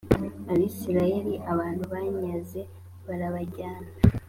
abisirayeli abantu banyaze barabajyana